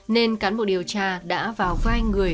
nên cán bộ điều tra đã vào vai người